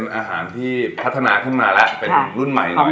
พอมีอาหารพัฒนามาอีกและจำหน้า